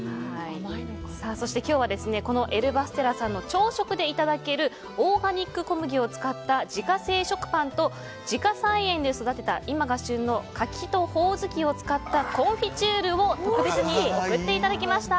今日はエルバステラさんの朝食でいただけるオーガニック小麦を使った自家製食パンと自家菜園で育てた、今が旬の柿とホオズキを使ったコンフィチュールを特別に送っていただきました。